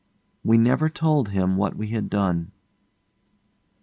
We never told him what we had done.